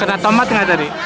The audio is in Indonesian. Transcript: kena tomat nggak tadi